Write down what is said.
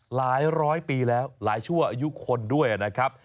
หลายร้อยปีแล้วหลายชั่วอายุคนด้วยนะครับ